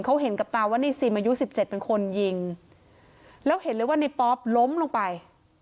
เขาเห็นกับตาว่าในซิมอายุสิบเจ็ดเป็นคนยิงแล้วเห็นเลยว่าในป๊อปล้มลงไป